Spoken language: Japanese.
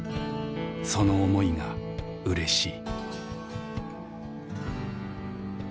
その思いがうれしい」。